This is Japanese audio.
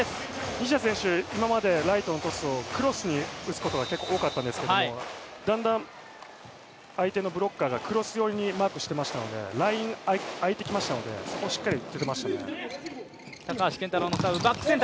西田選手、今までライトのトスをクロスに打つことが結構多かったんですけれどもだんだん相手のブロッカーがクロス寄りにマークしてましたのでライン、空いてきましたのでそこしっかり打てましたね。